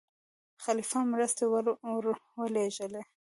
خلیفه هم مرستې ورولېږلې.